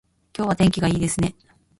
今日は天気がいいですね